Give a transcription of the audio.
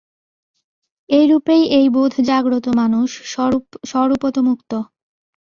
এইরূপেই এই বোধ জাগ্রত মানুষ স্বরূপত মুক্ত।